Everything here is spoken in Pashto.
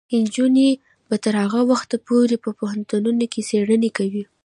نجونې به تر هغه وخته پورې په پوهنتونونو کې څیړنې کوي.